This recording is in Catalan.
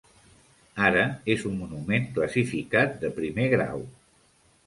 Ara és un monument classificat de primer grau.